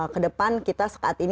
kedepan kita sekaat ini sedang